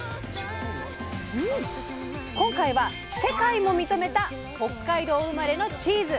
今回は世界も認めた北海道生まれのチーズ。